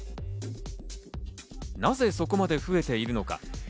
なぜそこまで増えているのか？